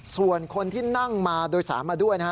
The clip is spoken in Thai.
ส่วนคนที่นั่งมาโดยสารมาด้วยนะฮะ